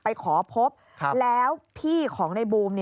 ไปขอพบแล้วพี่ของในบูม